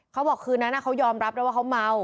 เขาบอกคืนนั้นเขายอมรับได้ว่าเขาเมา